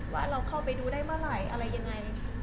ว่าเราเข้าไปดูได้เมื่อไหร่อะไรยังไง